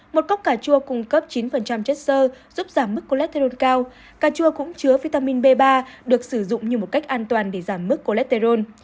một cốc cà chua cung cấp chín chất sơ giúp giảm mức cô lét tê rôn cao cà chua cũng chứa vitamin b ba được sử dụng như một cách an toàn để giảm mức cô lét tê rôn